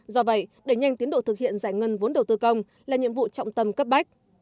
do vậy đẩy nhanh tiến độ thực hiện giải ngân vốn đầu tư công là nhiệm vụ trọng tâm cấp bách